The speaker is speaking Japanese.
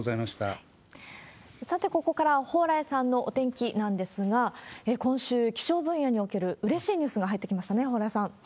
さて、ここから蓬莱さんのお天気なんですが、今週、気象分野におけるうれしいニュースが入ってきましたね、蓬莱さん。